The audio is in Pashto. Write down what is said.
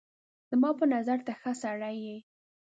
زما په نظر ته ښه سړی یې